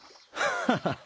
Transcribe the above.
ハハハッ！